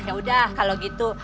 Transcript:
yaudah kalau gitu